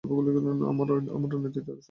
অমরের নেত্র অশ্রুতে পূরিয়া গেল।